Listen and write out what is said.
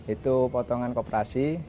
itu potongan koperasi